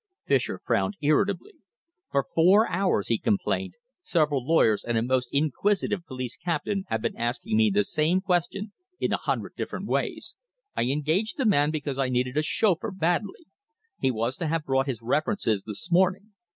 Fischer frowned irritably. "For four hours," he complained, "several lawyers and a most inquisitive police captain have been asking me the same question in a hundred different ways. I engaged the man because I needed a chauffeur badly. He was to have brought his references this morning.